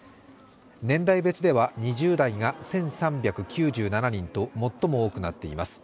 年代別では２０代が１３９７人と最も多くなっています。